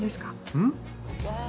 うん？